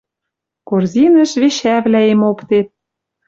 Корзинӹш вещӓвлӓэм оптет